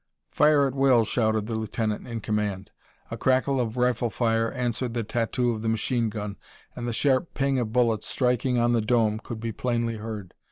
"Fire at will!" shouted the lieutenant in command. A crackle of rifle fire answered the tattoo of the machine gun, and the sharp ping of bullets striking on the dome could be plainly heard.